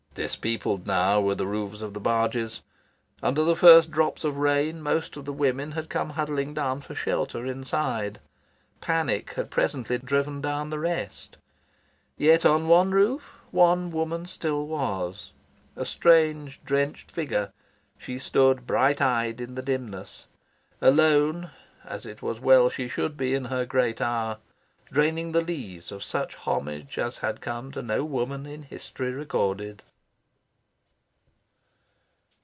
Dispeopled now were the roofs of the barges. Under the first drops of the rain most of the women had come huddling down for shelter inside; panic had presently driven down the rest. Yet on one roof one woman still was. A strange, drenched figure, she stood bright eyed in the dimness; alone, as it was well she should be in her great hour; draining the lees of such homage as had come to no woman in history recorded.